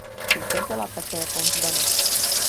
Zde byla také pohřbena.